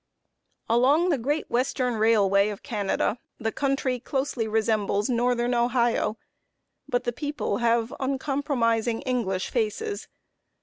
Along the Great Western Railway of Canada, the country closely resembles northern Ohio; but the people have uncompromising English faces.